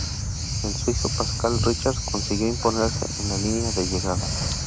El suizo Pascal Richard consiguió imponerse en la línea de llegada.